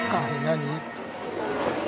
何？